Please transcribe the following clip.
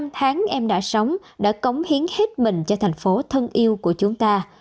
năm tháng em đã sống đã cống hiến hết mình cho thành phố thân yêu của chúng ta